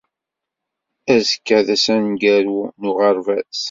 Azekka d ass ameggaru n uɣerbaz!